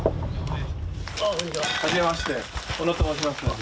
はじめまして小野と申します。